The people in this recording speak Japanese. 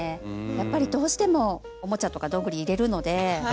やっぱりどうしてもおもちゃとかどんぐり入れるので。